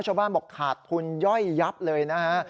ชาวบ้านบอกขาดทุนย่อยยับเลยนะฮะ